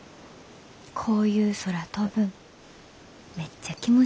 こういう空飛ぶんめっちゃ気持ちええねんで。